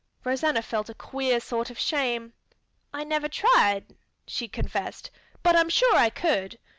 Rosanna felt a queer sort of shame. "I never tried," she confessed, "but I am sure I could."